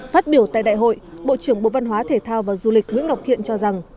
phát biểu tại đại hội bộ trưởng bộ văn hóa thể thao và du lịch nguyễn ngọc thiện cho rằng